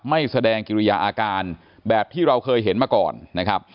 ไม่แสดงกิริยาอาการแบบที่เราเคยเห็นมาก่อนนะครับ